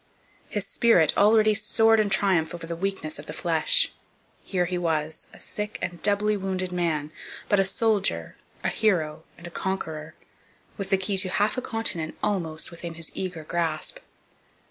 His spirit already soared in triumph over the weakness of the flesh. Here he was, a sick and doubly wounded man; but a soldier, a hero, and a conqueror, with the key to half a continent almost within his eager grasp.